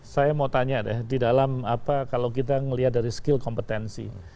saya mau tanya deh di dalam apa kalau kita melihat dari skill kompetensi